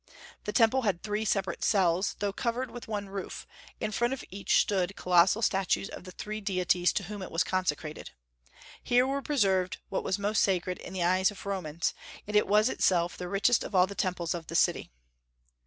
The temple had three separate cells, though covered with one roof; in front of each stood colossal statues of the three deities to whom it was consecrated. Here were preserved what was most sacred in the eyes of Romans, and it was itself the richest of all the temples of the city.